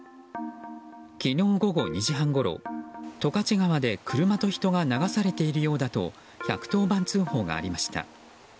昨日午後２時半ごろ十勝川で車と人が流されているようだと１１０番通報がありました。